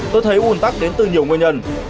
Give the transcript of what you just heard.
tôi thấy ủn tắc đến từ nhiều nguyên nhân